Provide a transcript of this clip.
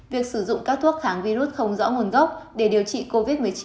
việc sử dụng các thuốc kháng virus không rõ nguồn gốc